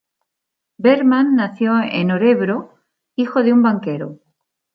Bergman nació en Örebro, hijo de un banquero.